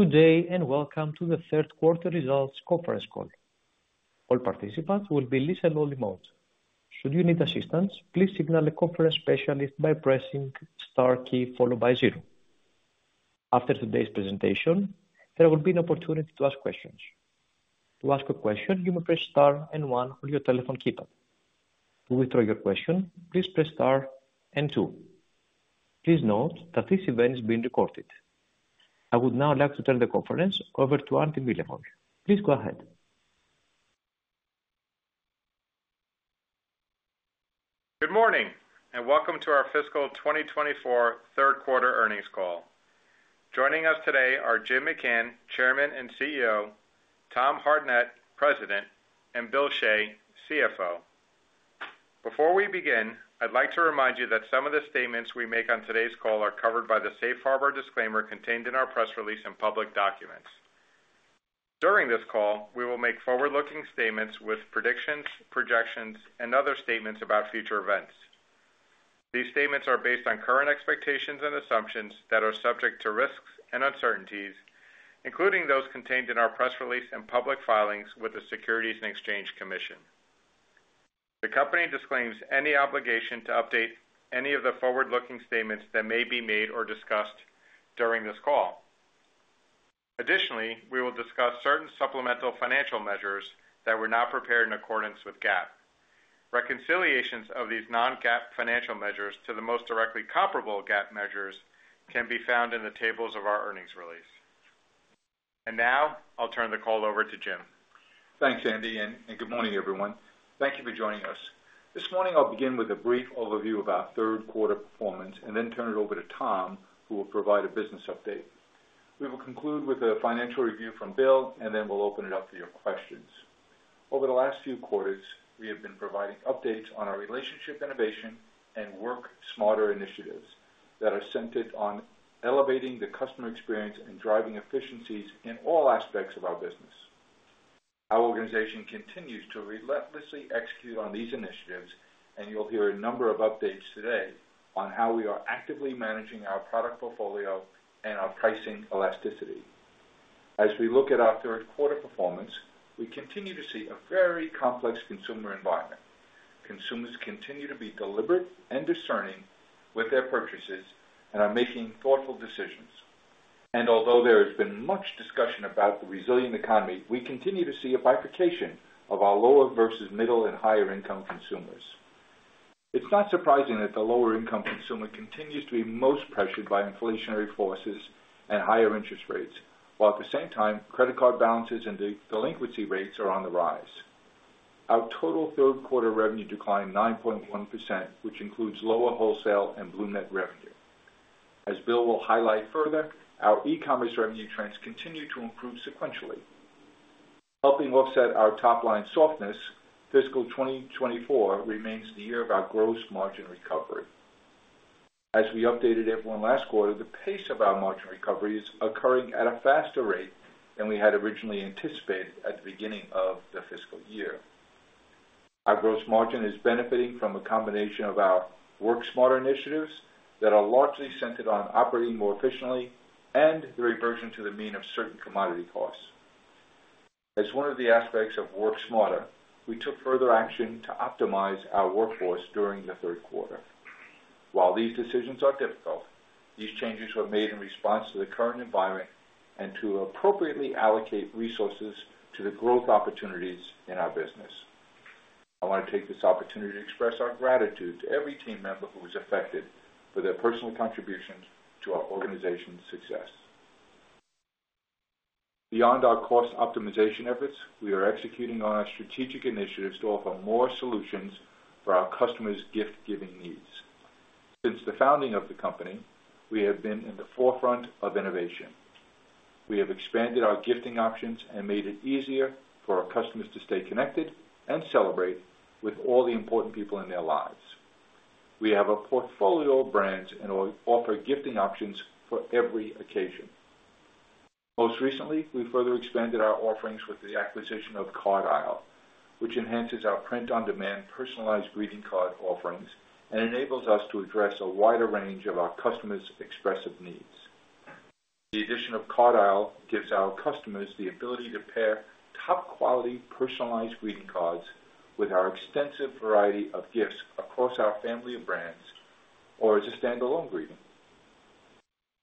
Good day, and welcome to the third quarter results conference call. All participants will be in listen-only mode. Should you need assistance, please signal a conference specialist by pressing the star key followed by zero. After today's presentation, there will be an opportunity to ask questions. To ask a question, you may press star and one on your telephone keypad. To withdraw your question, please press star and two. Please note that this event is being recorded. I would now like to turn the conference over to Andy Milevoj. Please go ahead. Good morning, and welcome to our Fiscal 2024 Third Quarter earnings call. Joining us today are Jim McCann, Chairman and CEO, Tom Hartnett, President, and Bill Shea, CFO. Before we begin, I'd like to remind you that some of the statements we make on today's call are covered by the safe harbor disclaimer contained in our press release and public documents. During this call, we will make forward-looking statements with predictions, projections, and other statements about future events. These statements are based on current expectations and assumptions that are subject to risks and uncertainties, including those contained in our press release and public filings with the Securities and Exchange Commission. The company disclaims any obligation to update any of the forward-looking statements that may be made or discussed during this call. Additionally, we will discuss certain supplemental financial measures that were not prepared in accordance with GAAP. Reconciliations of these non-GAAP financial measures to the most directly comparable GAAP measures can be found in the tables of our earnings release. Now I'll turn the call over to Jim. Thanks, Andy, and good morning, everyone. Thank you for joining us. This morning, I'll begin with a brief overview of our third quarter performance and then turn it over to Tom, who will provide a business update. We will conclude with a financial review from Bill, and then we'll open it up for your questions. Over the last few quarters, we have been providing updates on our Relationship, Innovation, and Work Smarter initiatives that are centered on elevating the customer experience and driving efficiencies in all aspects of our business. Our organization continues to relentlessly execute on these initiatives, and you'll hear a number of updates today on how we are actively managing our product portfolio and our pricing elasticity. As we look at our third quarter performance, we continue to see a very complex consumer environment. Consumers continue to be deliberate and discerning with their purchases and are making thoughtful decisions. Although there has been much discussion about the resilient economy, we continue to see a bifurcation of our lower versus middle and higher-income consumers. It's not surprising that the lower-income consumer continues to be most pressured by inflationary forces and higher interest rates, while at the same time, credit card balances and delinquency rates are on the rise. Our total third quarter revenue declined 9.1%, which includes lower wholesale and BloomNet revenue. As Bill will highlight further, our e-commerce revenue trends continue to improve sequentially. Helping offset our top-line softness, fiscal 2024 remains the year of our gross margin recovery. As we updated everyone last quarter, the pace of our margin recovery is occurring at a faster rate than we had originally anticipated at the beginning of the fiscal year. Our gross margin is benefiting from a combination of our Work Smarter initiatives that are largely centered on operating more efficiently and the reversion to the mean of certain commodity costs. As one of the aspects of Work Smarter, we took further action to optimize our workforce during the third quarter. While these decisions are difficult, these changes were made in response to the current environment and to appropriately allocate resources to the growth opportunities in our business. I want to take this opportunity to express our gratitude to every team member who was affected for their personal contributions to our organization's success. Beyond our cost optimization efforts, we are executing on our strategic initiatives to offer more solutions for our customers' gift-giving needs. Since the founding of the company, we have been in the forefront of innovation. We have expanded our gifting options and made it easier for our customers to stay connected and celebrate with all the important people in their lives. We have a portfolio of brands and offer gifting options for every occasion. Most recently, we further expanded our offerings with the acquisition of Card Isle, which enhances our print-on-demand personalized greeting card offerings and enables us to address a wider range of our customers' expressive needs. The addition of Card Isle gives our customers the ability to pair top-quality personalized greeting cards with our extensive variety of gifts across our family of brands or as a standalone greeting.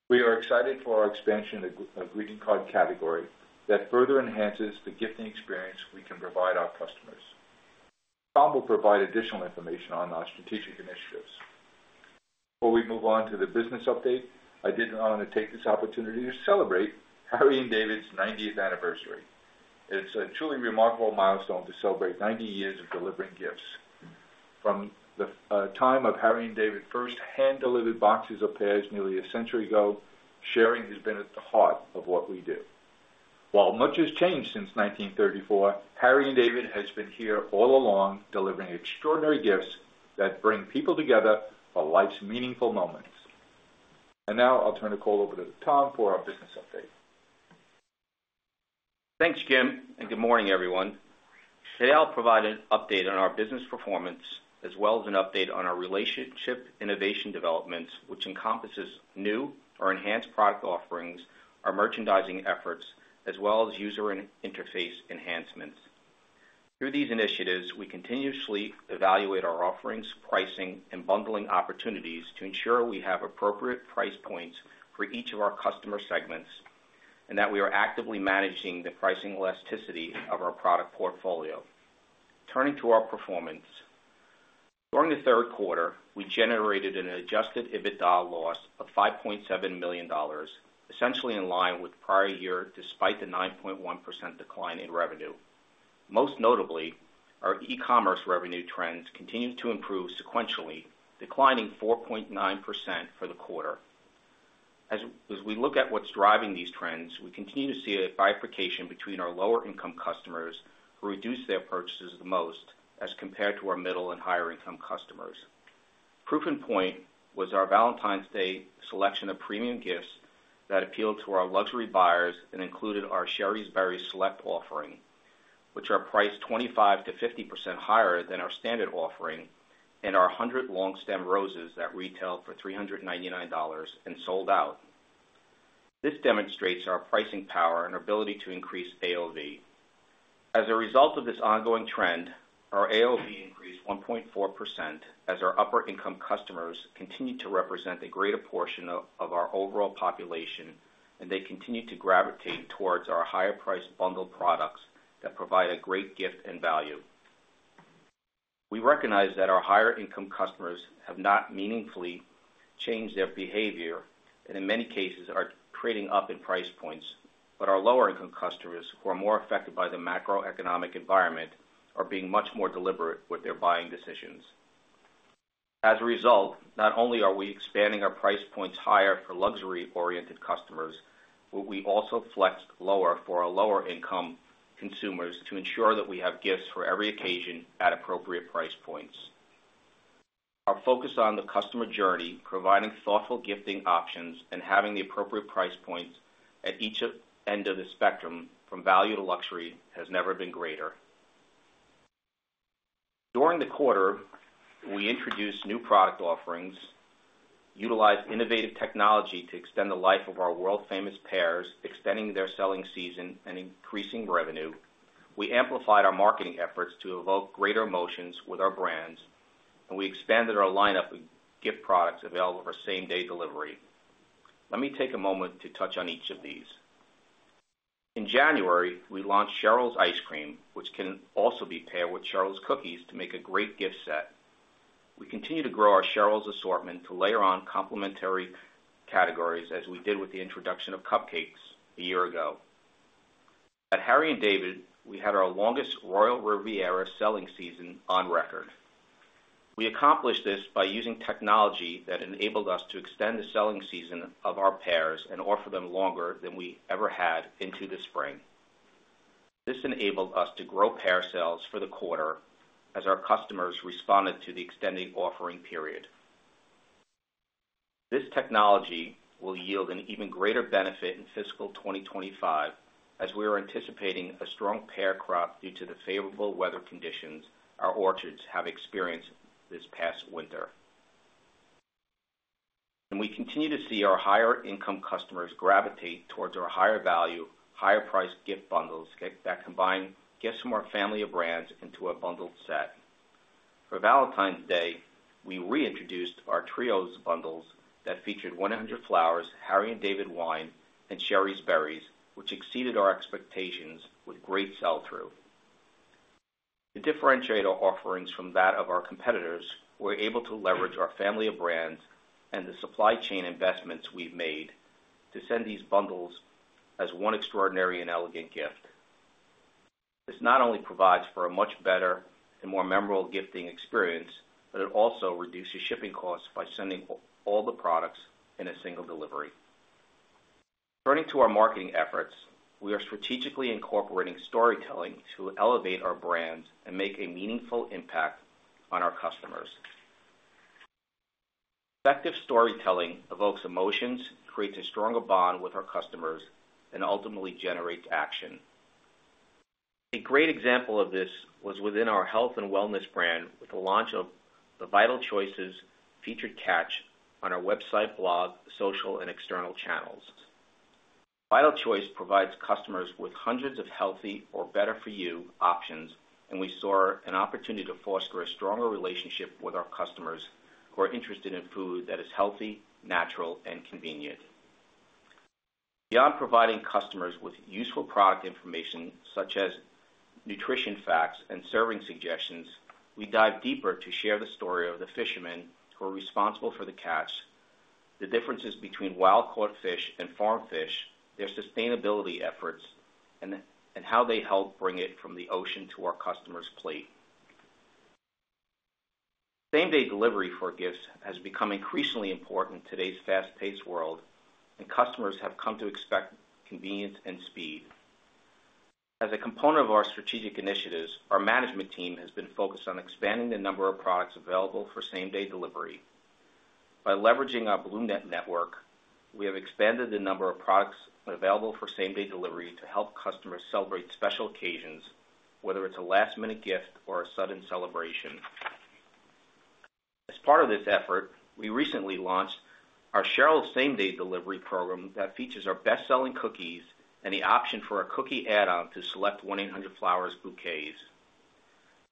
We are excited for our expansion of greeting card category that further enhances the gifting experience we can provide our customers. Tom will provide additional information on our strategic initiatives. Before we move on to the business update, I did want to take this opportunity to celebrate Harry & David's 90th Anniversary. It's a truly remarkable milestone to celebrate ninety years of delivering gifts. From the time of Harry & David first hand-delivered boxes of pears nearly a century ago, sharing has been at the heart of what we do. While much has changed since 1934, Harry & David has been here all along, delivering extraordinary gifts that bring people together for life's meaningful moments. Now I'll turn the call over to Tom for our business update.... Thanks, Jim, and good morning, everyone. Today, I'll provide an update on our business performance, as well as an update on our Relationship Innovation developments, which encompasses new or enhanced product offerings, our merchandising efforts, as well as user interface enhancements. Through these initiatives, we continuously evaluate our offerings, pricing, and bundling opportunities to ensure we have appropriate price points for each of our customer segments, and that we are actively managing the pricing elasticity of our product portfolio. Turning to our performance, during the third quarter, we generated an Adjusted EBITDA loss of $5.7 million, essentially in line with prior year, despite the 9.1% decline in revenue. Most notably, our e-commerce revenue trends continued to improve sequentially, declining 4.9% for the quarter. As we look at what's driving these trends, we continue to see a bifurcation between our lower income customers, who reduce their purchases the most as compared to our middle and higher income customers. Case in point was our Valentine's Day selection of premium gifts that appealed to our luxury buyers and included our Shari's Berries Select offering, which are priced 25%-50% higher than our standard offering, and our 100 long-stem roses that retailed for $399 and sold out. This demonstrates our pricing power and ability to increase AOV. As a result of this ongoing trend, our AOV increased 1.4%, as our upper income customers continued to represent a greater portion of our overall population, and they continued to gravitate towards our higher priced bundled products that provide a great gift and value. We recognize that our higher income customers have not meaningfully changed their behavior, and in many cases, are trading up in price points, but our lower income customers, who are more affected by the macroeconomic environment, are being much more deliberate with their buying decisions. As a result, not only are we expanding our price points higher for luxury-oriented customers, but we also flex lower for our lower income consumers to ensure that we have gifts for every occasion at appropriate price points. Our focus on the customer journey, providing thoughtful gifting options, and having the appropriate price points at each end of the spectrum, from value to luxury, has never been greater. During the quarter, we introduced new product offerings, utilized innovative technology to extend the life of our world-famous pears, extending their selling season and increasing revenue. We amplified our marketing efforts to evoke greater emotions with our brands, and we expanded our lineup of gift products available for same-day delivery. Let me take a moment to touch on each of these. In January, we launched Cheryl's Ice Cream, which can also be paired with Cheryl's Cookies to make a great gift set. We continue to grow our Cheryl's assortment to layer on complementary categories, as we did with the introduction of cupcakes a year ago. At Harry & David, we had our longest Royal Riviera selling season on record. We accomplished this by using technology that enabled us to extend the selling season of our pears and offer them longer than we ever had into the spring. This enabled us to grow pear sales for the quarter as our customers responded to the extended offering period. This technology will yield an even greater benefit in fiscal 2025, as we are anticipating a strong pear crop due to the favorable weather conditions our orchards have experienced this past winter. And we continue to see our higher income customers gravitate towards our higher value, higher-priced gift bundles that combine gifts from our family of brands into a bundled set. For Valentine's Day, we reintroduced our Trios bundles that featured 100 flowers, Harry & David wine, and Shari's Berries, which exceeded our expectations with great sell-through. To differentiate our offerings from that of our competitors, we're able to leverage our family of brands and the supply chain investments we've made to send these bundles as one extraordinary and elegant gift. This not only provides for a much better and more memorable gifting experience, but it also reduces shipping costs by sending all the products in a single delivery. Turning to our marketing efforts, we are strategically incorporating storytelling to elevate our brands and make a meaningful impact on our customers. Effective storytelling evokes emotions, creates a stronger bond with our customers, and ultimately generates action. A great example of this was within our health and wellness brand, with the launch of the Vital Choice featured catch on our website, blog, social, and external channels. Vital Choice provides customers with hundreds of healthy or better for you options, and we saw an opportunity to foster a stronger relationship with our customers who are interested in food that is healthy, natural, and convenient. Beyond providing customers with useful product information, such as nutrition facts and serving suggestions, we dive deeper to share the story of the fishermen who are responsible for the catch, the differences between wild-caught fish and farmed fish, their sustainability efforts, and how they help bring it from the ocean to our customers' plate. Same-day delivery for gifts has become increasingly important in today's fast-paced world, and customers have come to expect convenience and speed. As a component of our strategic initiatives, our management team has been focused on expanding the number of products available for same-day delivery.... By leveraging our BloomNet network, we have expanded the number of products available for same-day delivery to help customers celebrate special occasions, whether it's a last-minute gift or a sudden celebration. As part of this effort, we recently launched our Cheryl's same-day delivery program that features our best-selling cookies and the option for a cookie add-on to select 1-800-Flowers bouquets.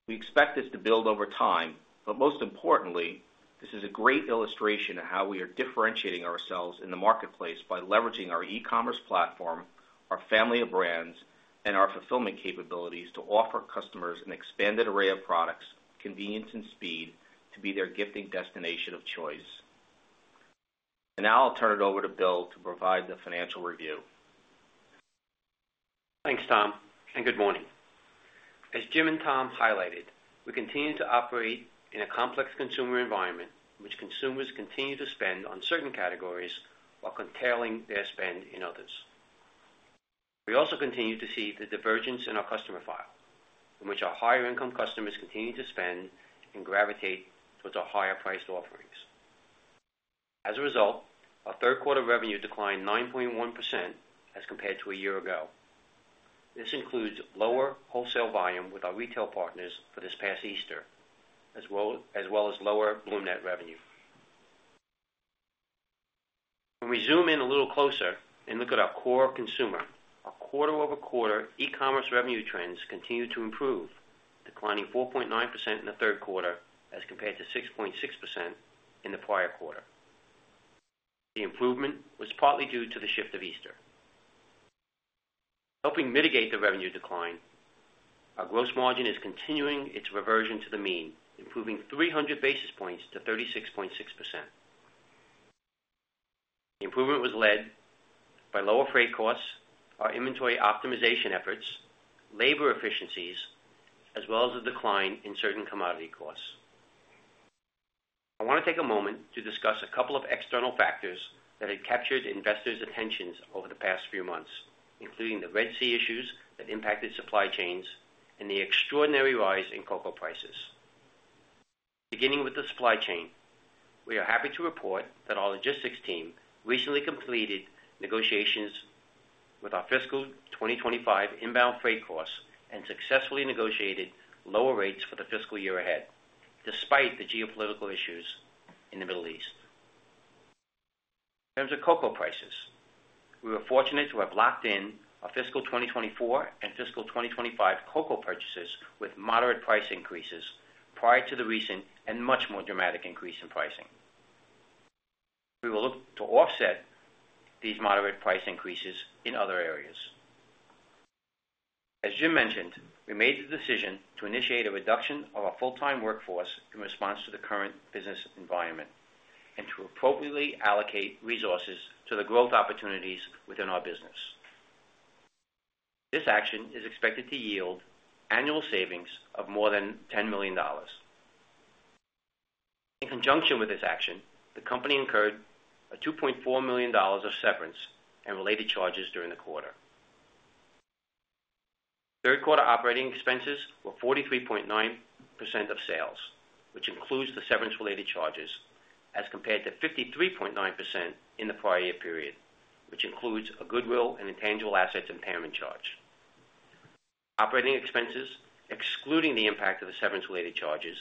We expect this to build over time, but most importantly, this is a great illustration of how we are differentiating ourselves in the marketplace by leveraging our e-commerce platform, our family of brands, and our fulfillment capabilities to offer customers an expanded array of products, convenience, and speed to be their gifting destination of choice. And now I'll turn it over to Bill to provide the financial review. Thanks, Tom, and good morning. As Jim and Tom highlighted, we continue to operate in a complex consumer environment, in which consumers continue to spend on certain categories while curtailing their spend in others. We also continue to see the divergence in our customer file, in which our higher-income customers continue to spend and gravitate towards our higher-priced offerings. As a result, our third quarter revenue declined 9.1% as compared to a year ago. This includes lower wholesale volume with our retail partners for this past Easter, as well, as well as lower BloomNet revenue. When we zoom in a little closer and look at our core consumer, our quarter-over-quarter e-commerce revenue trends continue to improve, declining 4.9% in the third quarter as compared to 6.6% in the prior quarter. The improvement was partly due to the shift of Easter. Helping mitigate the revenue decline, our gross margin is continuing its reversion to the mean, improving 300 basis points to 36.6%. The improvement was led by lower freight costs, our inventory optimization efforts, labor efficiencies, as well as a decline in certain commodity costs. I want to take a moment to discuss a couple of external factors that have captured investors' attentions over the past few months, including the Red Sea issues that impacted supply chains and the extraordinary rise in cocoa prices. Beginning with the supply chain, we are happy to report that our logistics team recently completed negotiations with our fiscal 2025 inbound freight costs and successfully negotiated lower rates for the fiscal year ahead, despite the geopolitical issues in the Middle East. In terms of cocoa prices, we were fortunate to have locked in our fiscal 2024 and fiscal 2025 cocoa purchases with moderate price increases prior to the recent and much more dramatic increase in pricing. We will look to offset these moderate price increases in other areas. As Jim mentioned, we made the decision to initiate a reduction of our full-time workforce in response to the current business environment and to appropriately allocate resources to the growth opportunities within our business. This action is expected to yield annual savings of more than $10 million. In conjunction with this action, the company incurred $2.4 million of severance and related charges during the quarter. Third quarter operating expenses were 43.9% of sales, which includes the severance-related charges, as compared to 53.9% in the prior year period, which includes a goodwill and intangible assets impairment charge. Operating expenses, excluding the impact of the severance-related charges,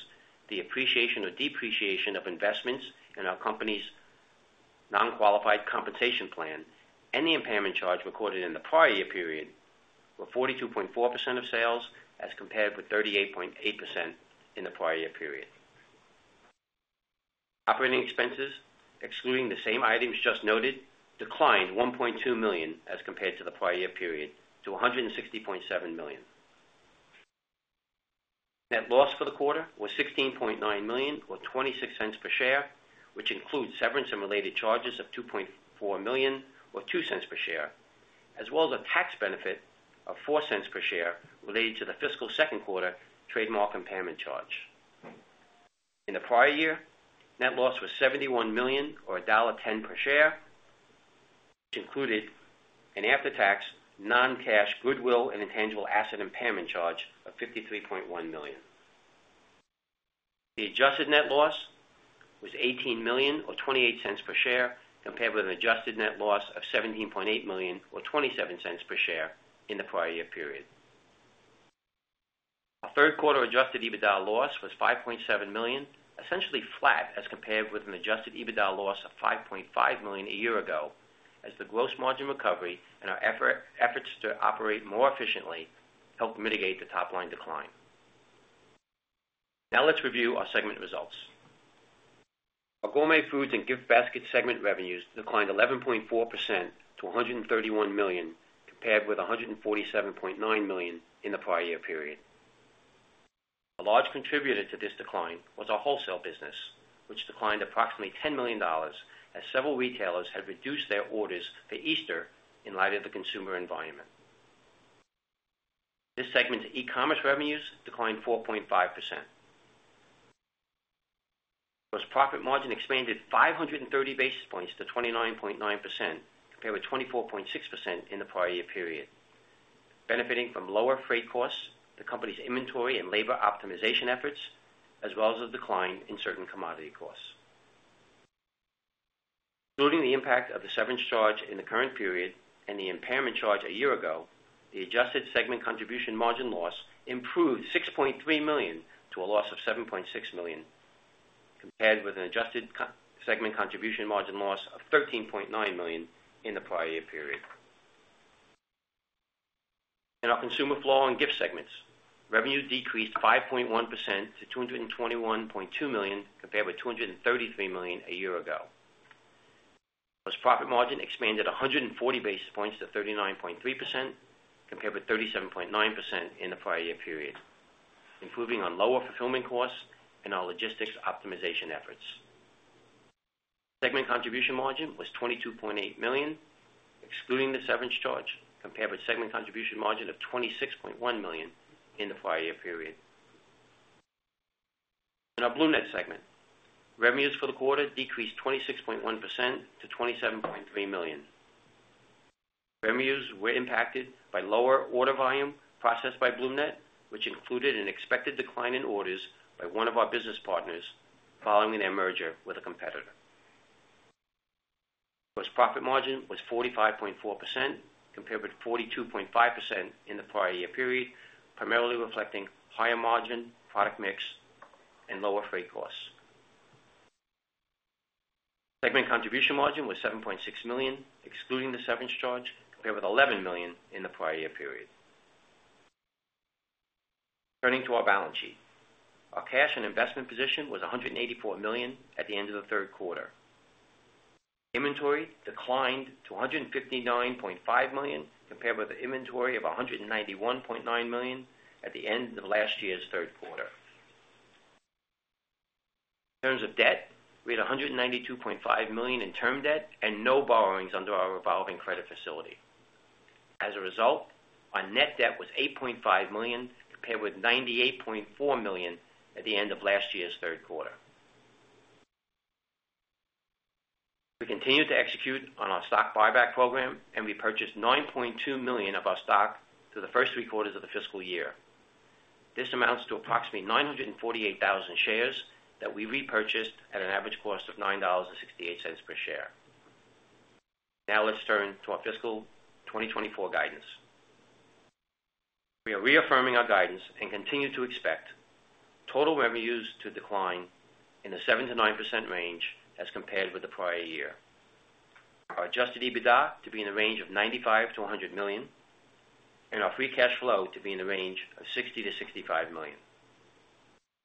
the appreciation or depreciation of investments in our company's non-qualified compensation plan, and the impairment charge recorded in the prior year period, were 42.4% of sales, as compared with 38.8% in the prior year period. Operating expenses, excluding the same items just noted, declined $1.2 million as compared to the prior year period to $160.7 million. Net loss for the quarter was $16.9 million or $0.26 per share, which includes severance and related charges of $2.4 million or $0.02 per share, as well as a tax benefit of $0.04 per share related to the fiscal second quarter trademark impairment charge. In the prior year, net loss was $71 million or $1.10 per share, which included an after-tax, non-cash, goodwill and intangible asset impairment charge of $53.1 million. The adjusted net loss was $18 million or $0.28 per share, compared with an adjusted net loss of $17.8 million or $0.27 per share in the prior year period. Our third quarter adjusted EBITDA loss was $5.7 million, essentially flat as compared with an adjusted EBITDA loss of $5.5 million a year ago, as the gross margin recovery and our efforts to operate more efficiently helped mitigate the top-line decline. Now let's review our segment results. Our Gourmet Foods and Gift Basket segment revenues declined 11.4% to $131 million, compared with $147.9 million in the prior year period. A large contributor to this decline was our wholesale business, which declined approximately $10 million, as several retailers had reduced their orders for Easter in light of the consumer environment. This segment's e-commerce revenues declined 4.5%. Gross profit margin expanded 530 basis points to 29.9%, compared with 24.6% in the prior year period, benefiting from lower freight costs, the company's inventory and labor optimization efforts, as well as a decline in certain commodity costs. Including the impact of the severance charge in the current period and the impairment charge a year ago, the adjusted Consumer Floral segment contribution margin loss improved $6.3 million, to a loss of $7.6 million, compared with an adjusted Consumer Floral segment contribution margin loss of $13.9 million in the prior year period. In our Consumer Floral and Gift segments, revenue decreased 5.1% to $221.2 million, compared with $233 million a year ago. Plus, profit margin expanded 100 basis points to 39.3%, compared with 37.9% in the prior year period, improving on lower fulfillment costs and our logistics optimization efforts. Segment contribution margin was $22.8 million, excluding the severance charge, compared with segment contribution margin of $26.1 million in the prior year period. In our BloomNet segment, revenues for the quarter decreased 26.1% to $27.3 million. Revenues were impacted by lower order volume processed by BloomNet, which included an expected decline in orders by one of our business partners following their merger with a competitor. Plus, profit margin was 45.4%, compared with 42.5% in the prior year period, primarily reflecting higher margin, product mix, and lower freight costs. Segment contribution margin was $7.6 million, excluding the severance charge, compared with $11 million in the prior year period. Turning to our balance sheet. Our cash and investment position was $184 million at the end of the third quarter. Inventory declined to $159.5 million, compared with the inventory of $191.9 million at the end of last year's third quarter. In terms of debt, we had $192.5 million in term debt and no borrowings under our revolving credit facility. As a result, our net debt was $8.5 million, compared with $98.4 million at the end of last year's third quarter. We continued to execute on our stock buyback program, and we purchased $9.2 million of our stock through the first three quarters of the fiscal year. This amounts to approximately 948,000 shares that we repurchased at an average cost of $9.68 per share. Now, let's turn to our fiscal 2024 guidance. We are reaffirming our guidance and continue to expect total revenues to decline in the 7%-9% range as compared with the prior year. Our Adjusted EBITDA to be in the range of $95 million-$100 million, and our free cash flow to be in the range of $60 million-$65 million.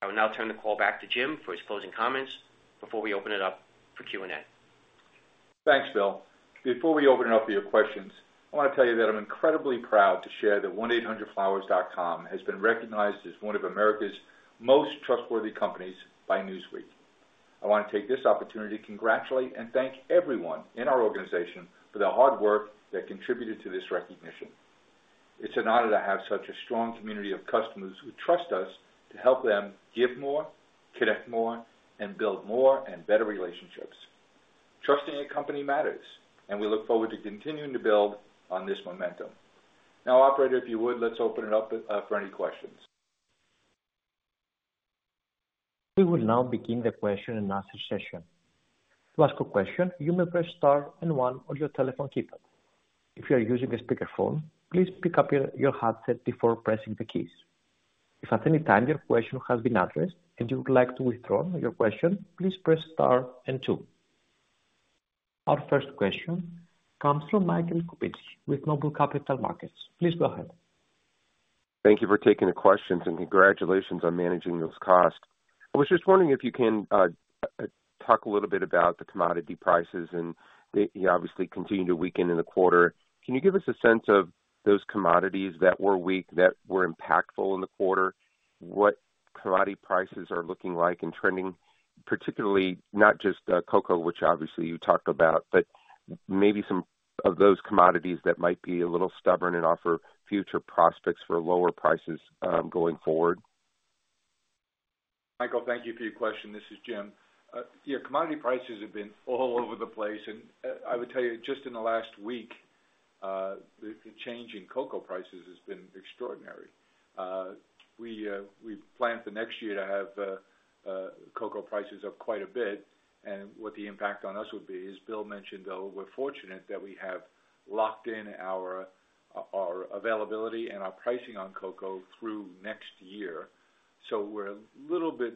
I will now turn the call back to Jim for his closing comments before we open it up for Q&A. Thanks, Bill. Before we open it up for your questions, I want to tell you that I'm incredibly proud to share that 1-800-Flowers.com has been recognized as one of America's most trustworthy companies by Newsweek. I want to take this opportunity to congratulate and thank everyone in our organization for their hard work that contributed to this recognition. It's an honor to have such a strong community of customers who trust us to help them give more, connect more, and build more and better relationships. Trusting a company matters, and we look forward to continuing to build on this momentum. Now, operator, if you would, let's open it up for any questions. We will now begin the question and answer session. To ask a question, you may press star and one on your telephone keypad. If you are using a speakerphone, please pick up your handset before pressing the keys. If at any time your question has been addressed and you would like to withdraw your question, please press star and two. Our first question comes from Michael Kupinski with Noble Capital Markets. Please go ahead. Thank you for taking the questions, and congratulations on managing those costs. I was just wondering if you can talk a little bit about the commodity prices, and they obviously continued to weaken in the quarter. Can you give us a sense of those commodities that were weak, that were impactful in the quarter? What commodity prices are looking like and trending, particularly not just cocoa, which obviously you talked about, but maybe some of those commodities that might be a little stubborn and offer future prospects for lower prices, going forward? Michael, thank you for your question. This is Jim. Yeah, commodity prices have been all over the place, and I would tell you, just in the last week, the change in cocoa prices has been extraordinary. We planned for next year to have cocoa prices up quite a bit and what the impact on us would be. As Bill mentioned, though, we're fortunate that we have locked in our availability and our pricing on cocoa through next year, so we're a little bit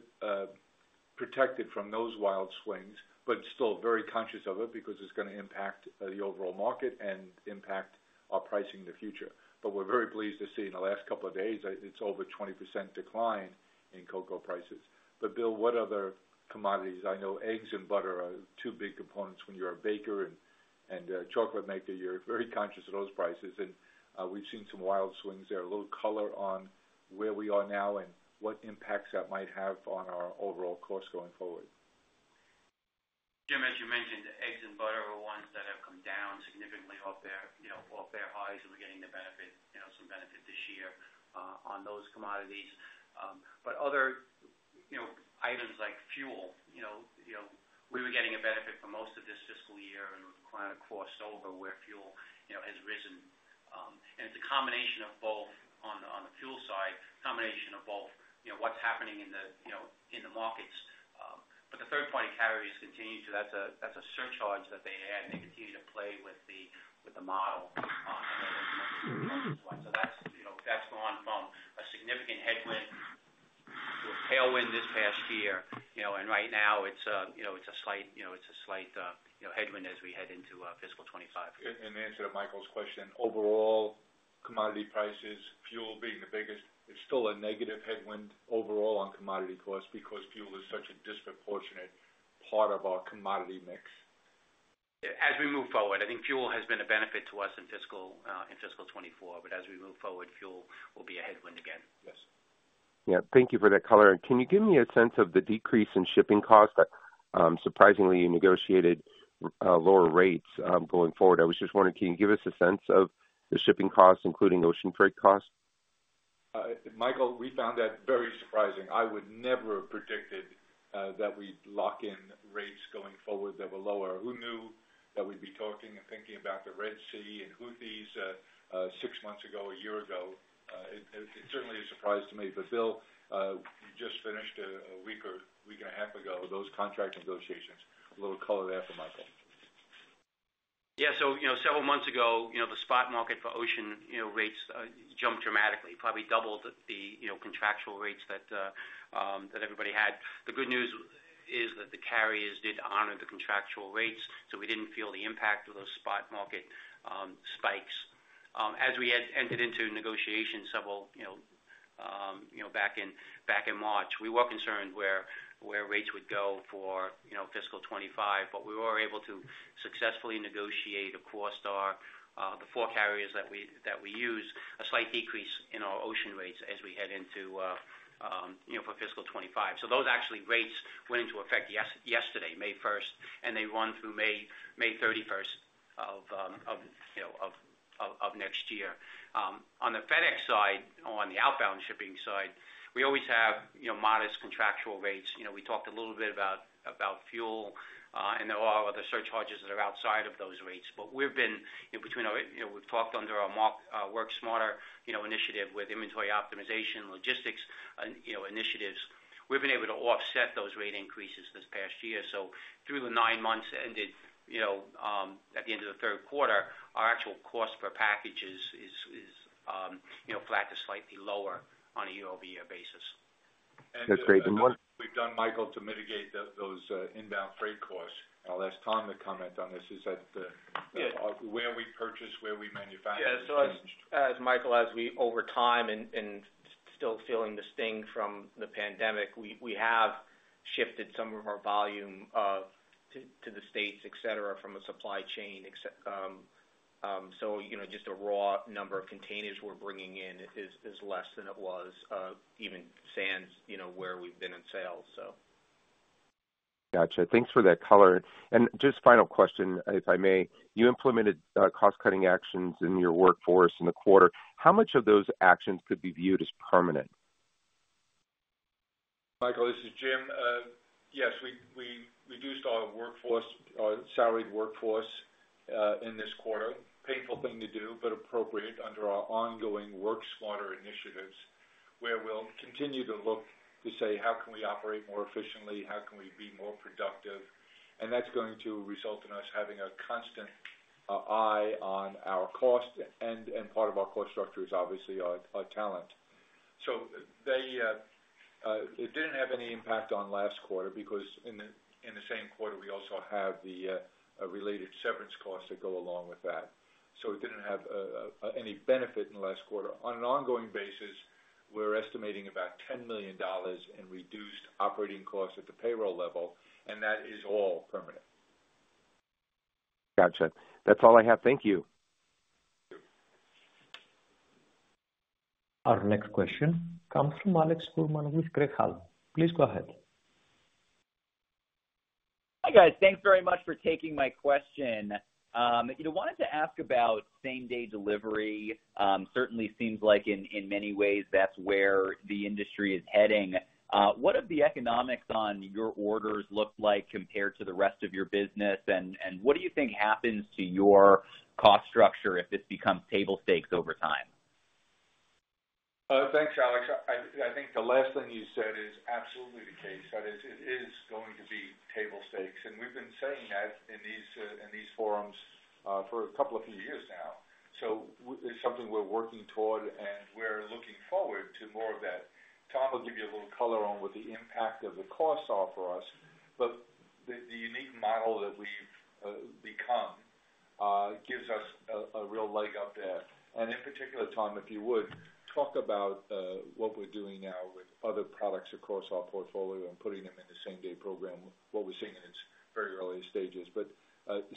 protected from those wild swings, but still very conscious of it because it's gonna impact the overall market and impact our pricing in the future. But we're very pleased to see in the last couple of days, it's over 20% decline in cocoa prices. But Bill, what other commodities? I know eggs and butter are two big components when you're a baker and a chocolate maker, you're very conscious of those prices, and we've seen some wild swings there. A little color on where we are now and what impacts that might have on our overall costs going forward. Jim, as you mentioned, eggs and butter are ones that have come down significantly off their, you know, off their highs, and we're getting the benefit, you know, some benefit-... on those commodities. But other, you know, items like fuel, you know, you know, we were getting a benefit for most of this fiscal year, and we've kind of crossed over where fuel, you know, has risen. And it's a combination of both on the, on the fuel side, combination of both, you know, what's happening in the, you know, in the markets. But the third-party carriers continue to, that's a, that's a surcharge that they had, and they continue to play with the, with the model. So that's, you know, that's gone from a significant headwind to a tailwind this past year. You know, and right now, it's a, you know, it's a slight, you know, it's a slight, you know, headwind as we head into, fiscal 2025. The answer to Michael's question, overall, commodity prices, fuel being the biggest, it's still a negative headwind overall on commodity costs because fuel is such a disproportionate part of our commodity mix. As we move forward, I think fuel has been a benefit to us in fiscal 2024, but as we move forward, fuel will be a headwind again. Yes. Yeah. Thank you for that color. Can you give me a sense of the decrease in shipping costs that, surprisingly, you negotiated, lower rates, going forward? I was just wondering, can you give us a sense of the shipping costs, including ocean freight costs? Michael, we found that very surprising. I would never have predicted that we'd lock in rates going forward that were lower. Who knew that we'd be talking and thinking about the Red Sea and Houthis six months ago, a year ago? It certainly is a surprise to me. But Bill, you just finished a week or week and a half ago, those contract negotiations. A little color there for Michael. Yeah, so you know, several months ago, you know, the spot market for ocean, you know, rates, jumped dramatically, probably doubled the, you know, contractual rates that, that everybody had. The good news is that the carriers did honor the contractual rates, so we didn't feel the impact of those spot market, spikes. As we entered into negotiations several, you know, you know, back in, back in March, we were concerned where, where rates would go for, you know, fiscal 2025, but we were able to successfully negotiate across our, the four carriers that we, that we use, a slight decrease in our ocean rates as we head into, you know, for fiscal 2025. So those actually rates went into effect yesterday, May 1, and they run through May 31 of next year. On the FedEx side, on the outbound shipping side, we always have, you know, modest contractual rates. You know, we talked a little bit about fuel, and there are other surcharges that are outside of those rates. But we've been, in between our, you know, we've talked under our Work Smarter, you know, initiative with inventory optimization, logistics, and, you know, initiatives, we've been able to offset those rate increases this past year. So through the 9 months ended at the end of the third quarter, our actual cost per package is flat to slightly lower on a year-over-year basis. That's great. And what- We've done, Michael, to mitigate those inbound freight costs. I'll ask Tom to comment on this, is that— Yes. Where we purchase, where we manufacture has changed. Yeah, so as Michael, as we over time and still feeling the sting from the pandemic, we have shifted some of our volume to the States, et cetera, from a supply chain, except, so you know, just the raw number of containers we're bringing in is less than it was, even sans, you know, where we've been in sales, so. Gotcha. Thanks for that color. And just final question, if I may: You implemented cost-cutting actions in your workforce in the quarter. How much of those actions could be viewed as permanent? Michael, this is Jim. Yes, we, we reduced our workforce, our salaried workforce, in this quarter. Painful thing to do, but appropriate under our ongoing Work Smarter initiatives, where we'll continue to look to say: How can we operate more efficiently? How can we be more productive? And that's going to result in us having a constant eye on our cost, and, and part of our cost structure is obviously our, our talent. So they, it didn't have any impact on last quarter because in the same quarter, we also have the related severance costs that go along with that. So it didn't have any benefit in the last quarter. On an ongoing basis, we're estimating about $10 million in reduced operating costs at the payroll level, and that is all permanent. Gotcha. That's all I have. Thank you. Our next question comes from Alex Fuhrman with Craig-Hallum. Please go ahead. Hi, guys. Thanks very much for taking my question. You know, wanted to ask about same-day delivery. Certainly seems like in, in many ways, that's where the industry is heading. What are the economics on your orders look like compared to the rest of your business? And, and what do you think happens to your cost structure if this becomes table stakes over time? Thanks, Alex. I think the last thing you said is absolutely the case. That is, it is going to be table stakes, and we've been saying that in these forums for a couple of years now. So it's something we're working toward, and we're looking forward to more of that. Tom will give you a little color on what the impact of the costs are for us, but the unique model that we've become gives us a real leg up there. And in particular, Tom, if you would, talk about what we're doing now with other products across our portfolio and putting them in the same-day program, what we're seeing in its very early stages. But,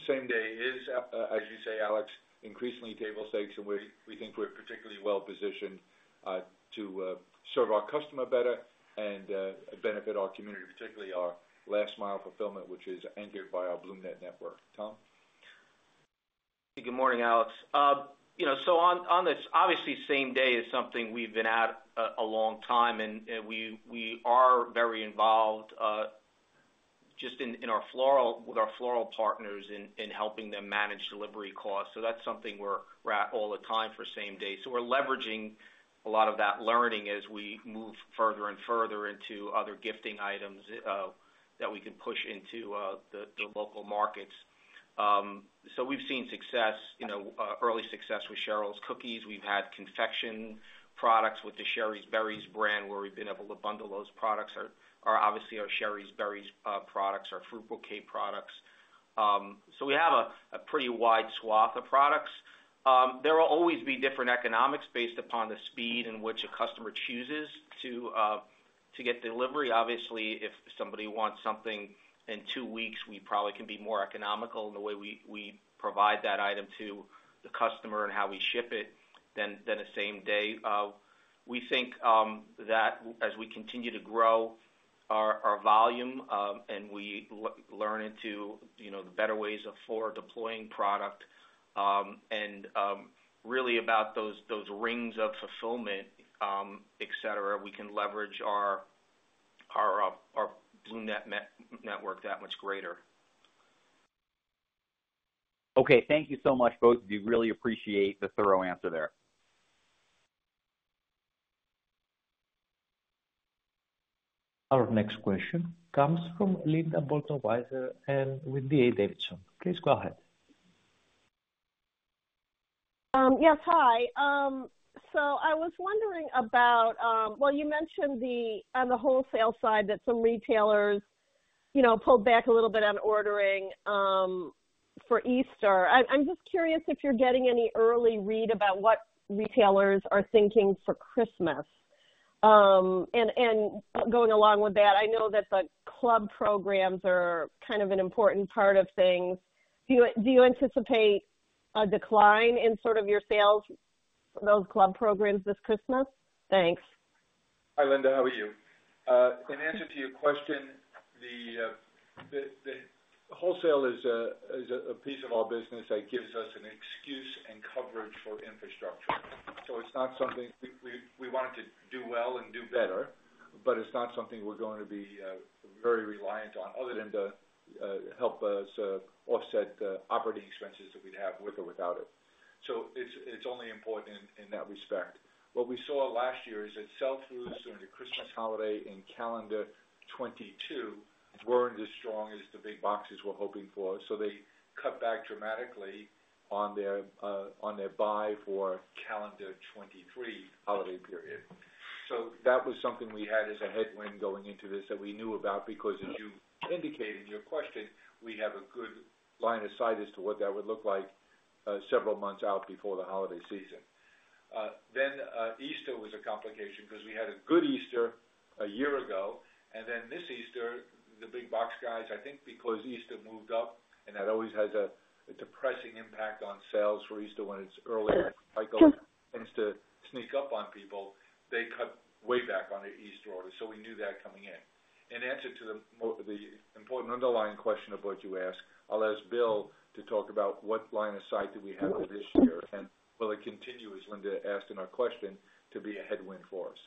same day is, as you say, Alex, increasingly table stakes, and we, we think we're particularly well positioned, to, serve our customer better and, benefit our community, particularly our last mile fulfillment, which is anchored by our BloomNet network. Tom?... Good morning, Alex. You know, so on this, obviously, same day is something we've been at a long time, and we are very involved just in our floral with our floral partners in helping them manage delivery costs. So that's something we're at all the time for same day. So we're leveraging a lot of that learning as we move further and further into other gifting items that we can push into the local markets. So we've seen success, you know, early success with Cheryl's Cookies. We've had confection products with the Shari's Berries brand, where we've been able to bundle those products, or obviously, our Shari's Berries products, our fruit bouquet products. So we have a pretty wide swath of products. There will always be different economics based upon the speed in which a customer chooses to get delivery. Obviously, if somebody wants something in two weeks, we probably can be more economical in the way we provide that item to the customer and how we ship it than the same day. We think that as we continue to grow our volume, and we learn into, you know, the better ways for deploying product, and really about those rings of fulfillment, et cetera, we can leverage our BloomNet network that much greater. Okay, thank you so much, folks. We really appreciate the thorough answer there. Our next question comes from Linda Bolton Weiser, and with D.A. Davidson. Please go ahead. Yes, hi. So I was wondering about... Well, you mentioned the, on the wholesale side, that some retailers, you know, pulled back a little bit on ordering, for Easter. I'm just curious if you're getting any early read about what retailers are thinking for Christmas. And going along with that, I know that the club programs are kind of an important part of things. Do you anticipate a decline in sort of your sales from those club programs this Christmas? Thanks. Hi, Linda. How are you? In answer to your question, the wholesale is a piece of our business that gives us an excuse and coverage for infrastructure. So it's not something we want it to do well and do better, but it's not something we're going to be very reliant on other than to help us offset the operating expenses that we'd have with or without it. So it's only important in that respect. What we saw last year is that sell-throughs during the Christmas holiday in calendar '22 weren't as strong as the big boxes were hoping for, so they cut back dramatically on their buy for calendar '23 holiday period. So that was something we had as a headwind going into this, that we knew about, because as you indicated in your question, we have a good line of sight as to what that would look like, several months out before the holiday season. Then, Easter was a complication because we had a good Easter a year ago, and then this Easter, the big box guys, I think, because Easter moved up, and that always has a depressing impact on sales for Easter when it's earlier. Cycle tends to sneak up on people. They cut way back on their Easter order, so we knew that coming in. In answer to the important underlying question of what you asked, I'll ask Bill to talk about what line of sight do we have for this year, and will it continue, as Linda asked in our question, to be a headwind for us?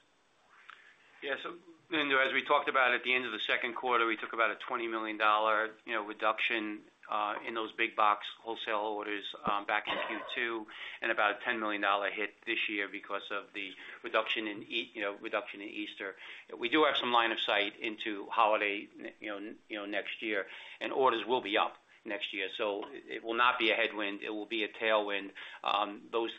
Yeah. So, Linda, as we talked about at the end of the second quarter, we took about a $20 million, you know, reduction in those big box wholesale orders back in Q2, and about a $10 million hit this year because of the reduction in Easter. We do have some line of sight into holiday, you know, next year, and orders will be up next year, so it will not be a headwind, it will be a tailwind. Those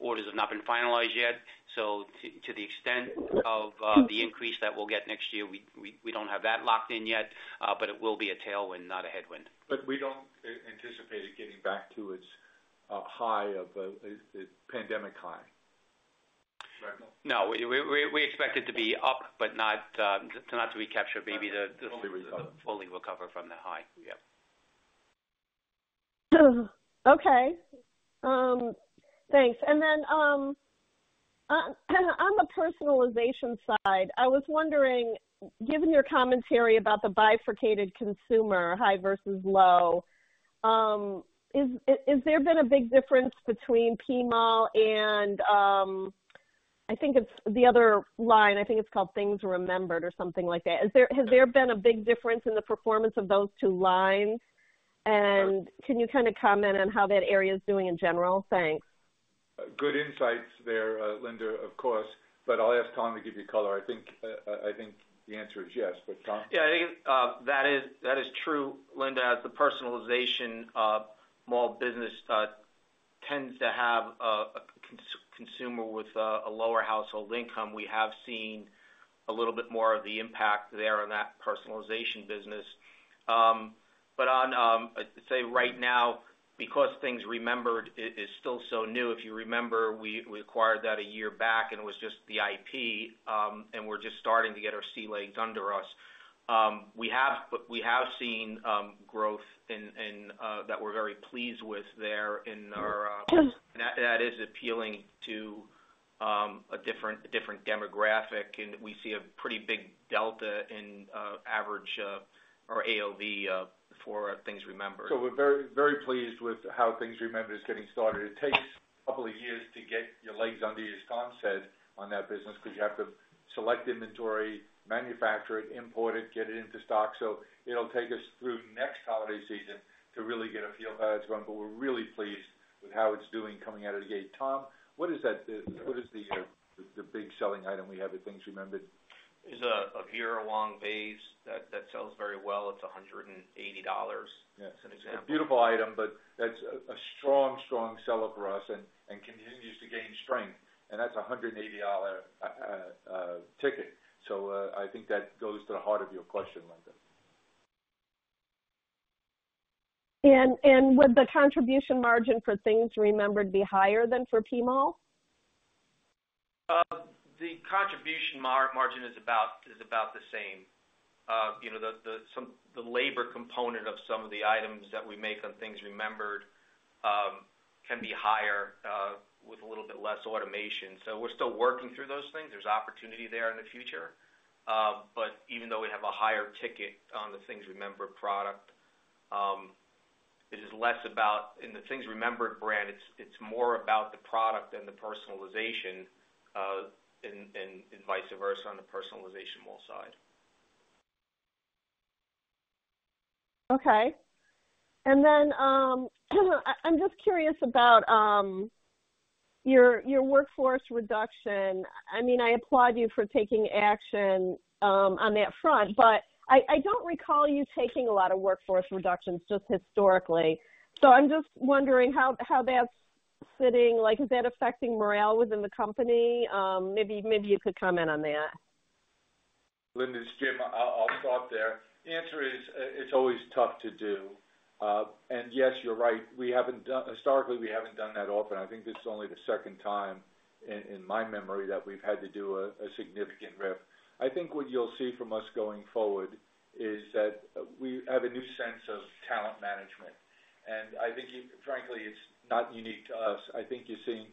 orders have not been finalized yet, so to the extent of the increase that we'll get next year, we don't have that locked in yet, but it will be a tailwind, not a headwind. But we don't anticipate it getting back to its high of its pandemic high. Right, Bill? No, we expect it to be up, but not to recapture, maybe the- Fully recover. Fully recover from the high. Yep. Okay, thanks. And then, on the personalization side, I was wondering, given your commentary about the bifurcated consumer, high versus low, is, has there been a big difference between PMall and, I think it's the other line, I think it's called Things Remembered or something like that. Is there-- Has there been a big difference in the performance of those two lines? And can you kind of comment on how that area is doing in general? Thanks. Good insights there, Linda, of course, but I'll ask Tom to give you color. I think the answer is yes, but Tom? Yeah, I think that is true, Linda. As the Personalization Mall business tends to have a consumer with a lower household income, we have seen a little bit more of the impact there on that personalization business. But on say right now, because Things Remembered is still so new, if you remember, we acquired that a year back, and it was just the IP, and we're just starting to get our sea legs under us. We have seen growth that we're very pleased with there in our. And that is appealing to-... a different demographic, and we see a pretty big delta in average or AOV for Things Remembered. So we're very, very pleased with how Things Remembered is getting started. It takes a couple of years to get your legs under you, as Tom said, on that business, because you have to select inventory, manufacture it, import it, get it into stock. So it'll take us through next holiday season to really get a feel how it's going. But we're really pleased with how it's doing coming out of the gate. Tom, what is that, what is the, the big selling item we have at Things Remembered? It's a Vera Wang vase that sells very well. It's $180. Yes. It's an example. A beautiful item, but that's a strong, strong seller for us and continues to gain strength, and that's a $180 ticket. So, I think that goes to the heart of your question, Linda. Would the contribution margin for Things Remembered be higher than for PMall? The contribution margin is about the same. You know, the labor component of some of the items that we make on Things Remembered can be higher with a little bit less automation, so we're still working through those things. There's opportunity there in the future. But even though we have a higher ticket on the Things Remembered product, it is less about... In the Things Remembered brand, it's more about the product than the personalization, and vice versa on the Personalization Mall side. Okay. And then, I'm just curious about your workforce reduction. I mean, I applaud you for taking action on that front, but I don't recall you taking a lot of workforce reductions just historically. So I'm just wondering how that's sitting? Like, is that affecting morale within the company? Maybe you could comment on that. Linda, it's Jim. I'll start there. The answer is, it's always tough to do. And yes, you're right, we haven't done historically, we haven't done that often. I think this is only the second time in my memory that we've had to do a significant RIF. I think what you'll see from us going forward is that we have a new sense of talent management, and I think, frankly, it's not unique to us. I think you're seeing,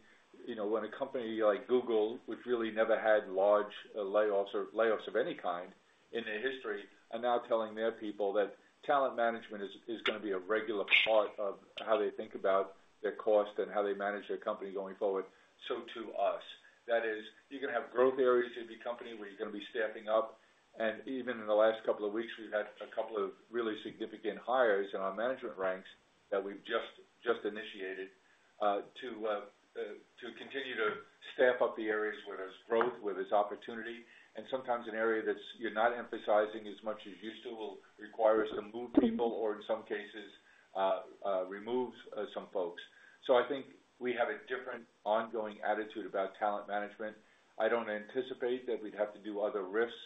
you know, when a company like Google, which really never had large layoffs or layoffs of any kind in their history, are now telling their people that talent management is gonna be a regular part of how they think about their cost and how they manage their company going forward. So to us, that is, you're gonna have growth areas in the company where you're gonna be staffing up, and even in the last couple of weeks, we've had a couple of really significant hires in our management ranks that we've just, just initiated, to, to continue to staff up the areas where there's growth, where there's opportunity. And sometimes an area that's you're not emphasizing as much as you used to, will require us to move people or in some cases, remove some folks. So I think we have a different ongoing attitude about talent management. I don't anticipate that we'd have to do other RIFs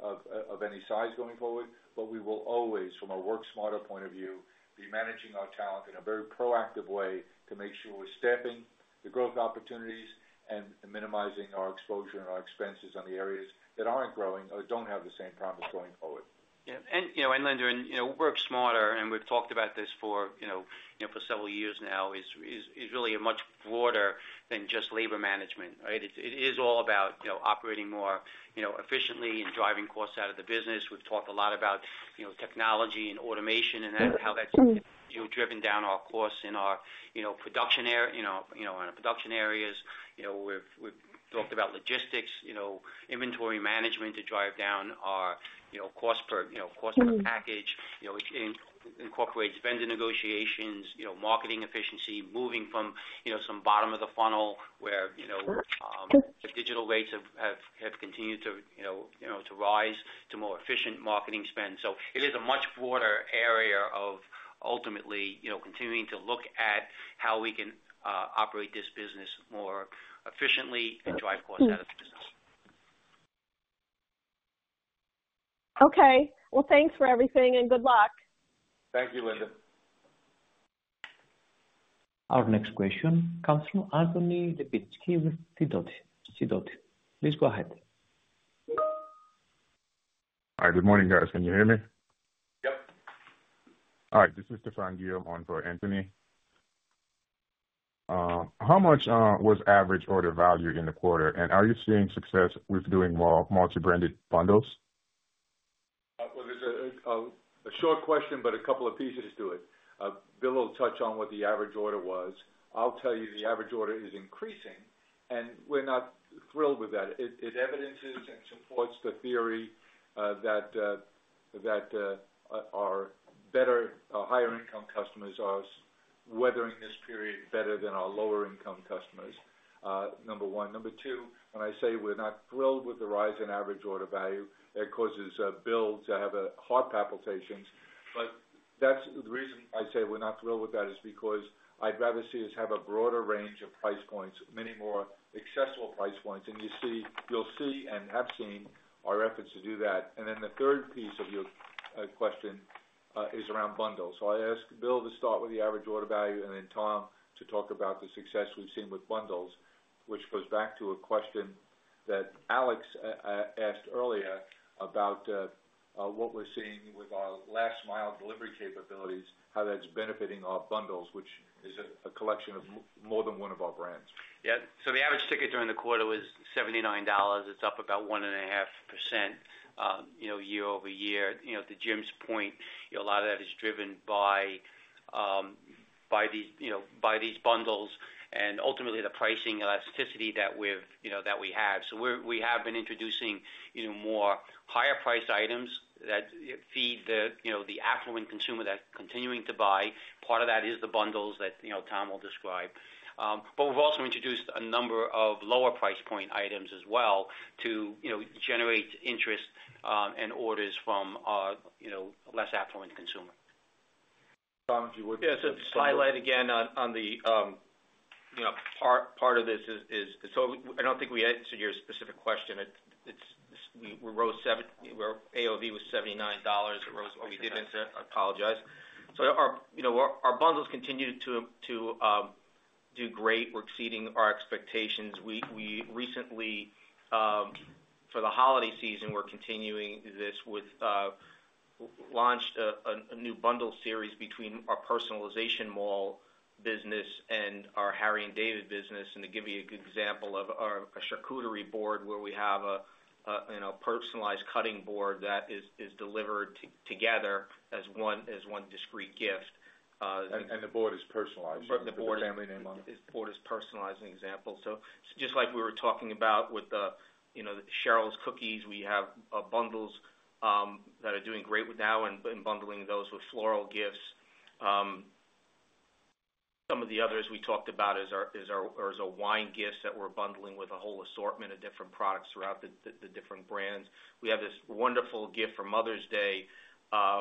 of any size going forward, but we will always, from a Work Smarter point of view, be managing our talent in a very proactive way to make sure we're staffing the growth opportunities and minimizing our exposure and our expenses on the areas that aren't growing or don't have the same promise going forward. Yeah, and you know, Linda, you know, Work Smarter, and we've talked about this for, you know, for several years now, is really much broader than just labor management, right? It is all about, you know, operating more, you know, efficiently and driving costs out of the business. We've talked a lot about, you know, technology and automation and how that's driven down our costs in our, you know, production areas. You know, we've talked about logistics, you know, inventory management to drive down our, you know, cost per package. You know, it incorporates vendor negotiations, you know, marketing efficiency, moving from, you know, some bottom of the funnel where, you know, the digital rates have continued to, you know, you know, to rise to more efficient marketing spend. So it is a much broader area of ultimately, you know, continuing to look at how we can operate this business more efficiently and drive costs out of the business. Okay, well, thanks for everything, and good luck. Thank you, Linda. Our next question comes from Anthony Lebiedzinski with Sidoti & Company. Please go ahead. Hi, good morning, guys. Can you hear me? Yep. All right, this is Stefan Gil on for Anthony. How much was average order value in the quarter, and are you seeing success with doing more multi-branded bundles? Well, there's a short question, but a couple of pieces to it. Bill will touch on what the average order was. I'll tell you, the average order is increasing, and we're not thrilled with that. It evidences and supports the theory that our better, higher income customers are weathering this period better than our lower income customers, number one. Number two, when I say we're not thrilled with the rise in average order value, that causes Bill to have heart palpitations. But that's the reason I say we're not thrilled with that, is because I'd rather see us have a broader range of price points, many more accessible price points. And you'll see and have seen our efforts to do that. And then the third piece of your question is around bundles. So I ask Bill to start with the average order value and then Tom to talk about the success we've seen with bundles, which goes back to a question that Alex asked earlier about what we're seeing with our last mile delivery capabilities, how that's benefiting our bundles, which is a collection of more than one of our brands. Yeah. So the average ticket during the quarter was $79. It's up about 1.5%, you know, year-over-year. You know, to Jim's point, you know, a lot of that is driven by the, you know, by these bundles and ultimately the pricing elasticity that we've, you know, that we have. So we have been introducing, you know, more higher priced items that feed the, you know, the affluent consumer that's continuing to buy. Part of that is the bundles that, you know, Tom will describe. But we've also introduced a number of lower price point items as well to, you know, generate interest and orders from our, you know, less affluent consumer. Tom, if you would- Yes, to highlight again, you know, part of this is—so I don't think we answered your specific question. We wrote seven—where AOV was $79. It rose. We didn't answer. I apologize. So our bundles continued to do great. We're exceeding our expectations. We recently, for the holiday season, we're continuing this with launched a new bundle series between our Personalization Mall business and our Harry & David business. And to give you a good example, a charcuterie board, where we have a personalized cutting board that is delivered together as one discrete gift. And the board is personalized- Right, the board- With the family name on it. The board is personalized, an example. So just like we were talking about with the, you know, the Cheryl's Cookies, we have bundles that are doing great with now and bundling those with floral gifts. Some of the others we talked about is our wine gifts that we're bundling with a whole assortment of different products throughout the different brands. We have this wonderful gift for Mother's Day,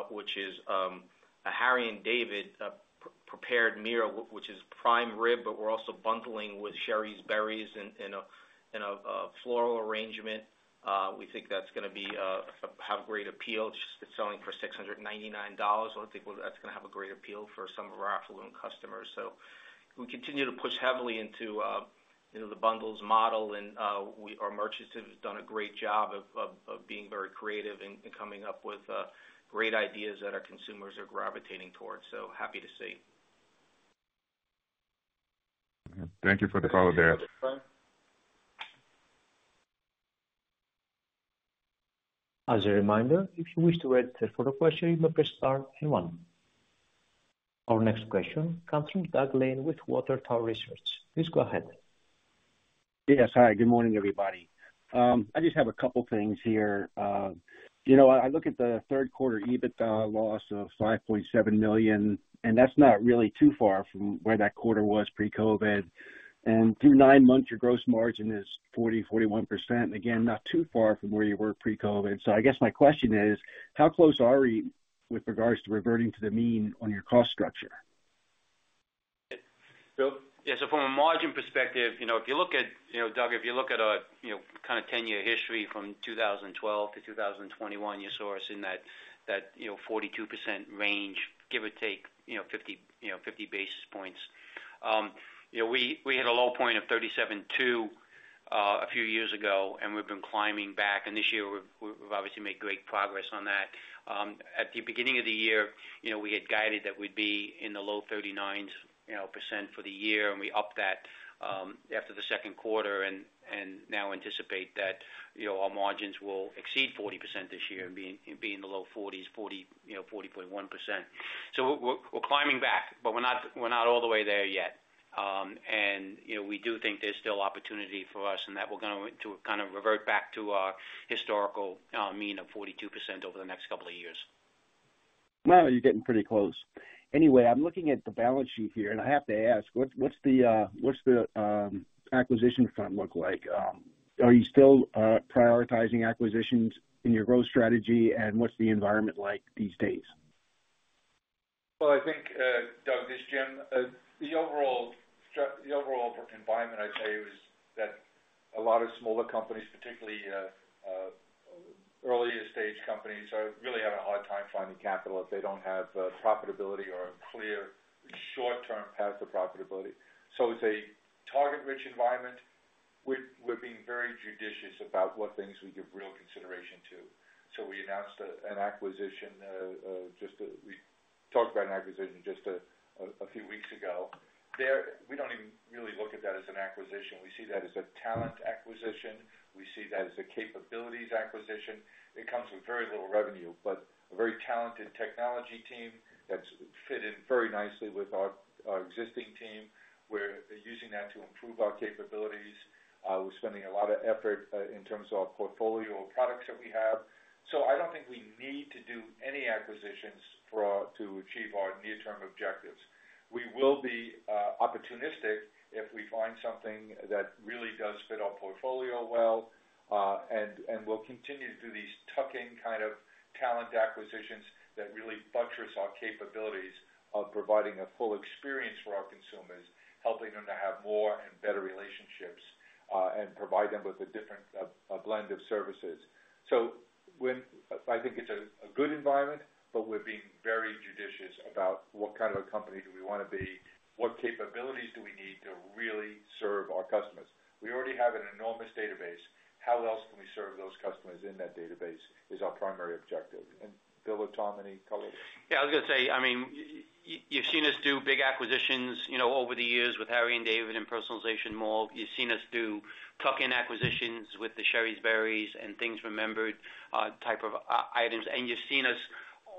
which is a Harry & David prepared meal, which is prime rib, but we're also bundling with Shari's Berries in a floral arrangement. We think that's gonna have great appeal. It's selling for $699. I think that's gonna have a great appeal for some of our affluent customers. So we continue to push heavily into, you know, the bundles model, and our merchants have done a great job of being very creative and coming up with great ideas that our consumers are gravitating towards. So happy to see. Thank you for the follow, Dan. As a reminder, if you wish to register for a question, you may press star then one. Our next question comes from Doug Lane with Water Tower Research. Please go ahead. Yes. Hi, good morning, everybody. I just have a couple things here. You know, I look at the third quarter EBITDA loss of $5.7 million, and that's not really too far from where that quarter was pre-COVID. Through nine months, your gross margin is 40%-41%. Again, not too far from where you were pre-COVID. So I guess my question is: how close are we with regards to reverting to the mean on your cost structure? So, yeah, from a margin perspective, you know, if you look at, you know, Doug, if you look at our, you know, kind of 10-year history from 2012 to 2021, you saw us in that 42% range, give or take, you know, 50 basis points. You know, we hit a low point of 37.2 a few years ago, and we've been climbing back, and this year, we've obviously made great progress on that. At the beginning of the year, you know, we had guided that we'd be in the low 39s, you know, % for the year, and we upped that after the second quarter and now anticipate that, you know, our margins will exceed 40% this year and be in the low 40s, 40, you know, 40.1%. So we're climbing back, but we're not all the way there yet. And, you know, we do think there's still opportunity for us and that we're gonna kind of revert back to our historical mean of 42% over the next couple of years. Well, you're getting pretty close. Anyway, I'm looking at the balance sheet here, and I have to ask, what's the acquisition fund look like? Are you still prioritizing acquisitions in your growth strategy, and what's the environment like these days? Well, I think, Doug, this is Jim. The overall environment, I'd say, is that a lot of smaller companies, particularly, earlier stage companies, are really having a hard time finding capital if they don't have, profitability or a clear short-term path to profitability. So it's a target-rich environment. We're being very judicious about what things we give real consideration to. So we announced an acquisition just a few weeks ago. We talked about an acquisition just a few weeks ago. There, we don't even really look at that as an acquisition. We see that as a talent acquisition. We see that as a capabilities acquisition. It comes with very little revenue, but a very talented technology team that's fit in very nicely with our existing team. We're using that to improve our capabilities. We're spending a lot of effort in terms of portfolio of products that we have. So I don't think we need to do any acquisitions to achieve our near-term objectives. We will be opportunistic if we find something that really does fit our portfolio well, and we'll continue to do these tuck-in kind of talent acquisitions that really buttress our capabilities of providing a full experience for our consumers, helping them to have more and better relationships, and provide them with a different, a blend of services. So when I think it's a good environment, but we're being very judicious about what kind of a company do we wanna be? What capabilities do we need to really serve our customers? We already have an enormous database. How else can we serve those customers in that database is our primary objective. Bill or Tom, any comments? Yeah, I was gonna say, I mean, you've seen us do big acquisitions, you know, over the years with Harry & David and Personalization Mall. You've seen us do tuck-in acquisitions with the Shari's Berries and Things Remembered, type of items. And you've seen us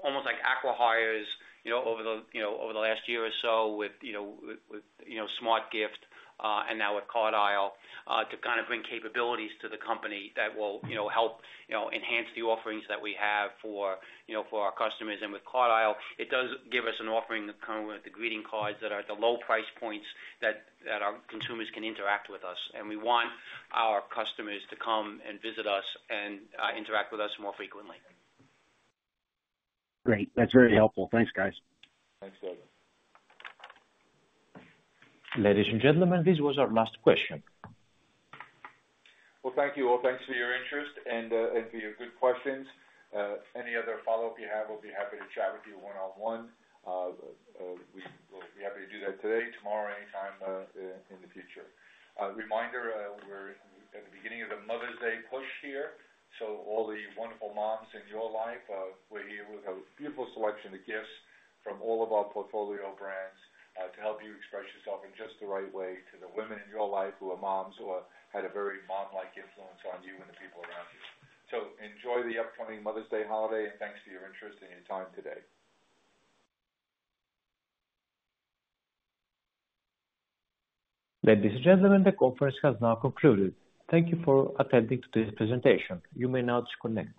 almost like acqui-hires, you know, over the, you know, over the last year or so with, you know, with SmartGift, and now with Card Isle, to kind of bring capabilities to the company that will, you know, help, you know, enhance the offerings that we have for, you know, for our customers. And with Card Isle, it does give us an offering currently with the greeting cards that are at the low price points that our consumers can interact with us. We want our customers to come and visit us and interact with us more frequently. Great. That's very helpful. Thanks, guys. Thanks, David. Ladies and gentlemen, this was our last question. Well, thank you all. Thanks for your interest and for your good questions. Any other follow-up you have, we'll be happy to chat with you one-on-one. We will be happy to do that today, tomorrow, anytime, in the future. A reminder, we're at the beginning of the Mother's Day push here. So all the wonderful moms in your life, we're here with a beautiful selection of gifts from all of our portfolio brands, to help you express yourself in just the right way to the women in your life who are moms or had a very mom-like influence on you and the people around you. So enjoy the upcoming Mother's Day holiday, and thanks for your interest and your time today. Ladies and gentlemen, the conference has now concluded. Thank you for attending to this presentation. You may now disconnect.